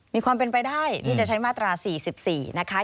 มีความเป็นไปได้ที่จะใช้มาตรา๔๔นะคะ